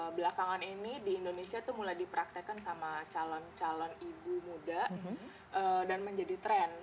belakangan ini di indonesia itu mulai dipraktekan sama calon calon ibu muda dan menjadi tren